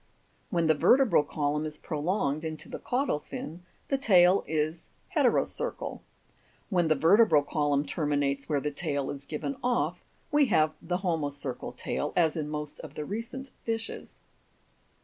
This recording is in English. When the vertebral column is prolonged into the caudal fin, the tail is he'terocercal ; when the vertebral column terminates where the tail is given off, we have the homocercal tail, as in most of the recent fishes.